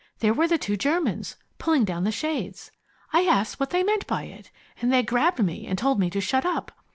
There were the two Germans, pulling down the shades. I asked what they meant by it, and they grabbed me and told me to shut up.